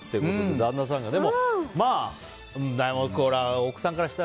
旦那さんも。